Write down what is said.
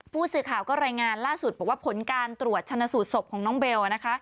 ผู้สื่อข่าวก็รายงานล่าสุดบอกว่าผลการตรวจชนะสูตรศพของน้องเบลนะคะ